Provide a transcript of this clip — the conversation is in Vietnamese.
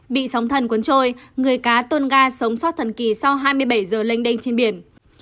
bị sóng thần cuốn trôi người cá tôn ga sống sót thần kỳ sau hai mươi bảy giờ lênh đênh trên biển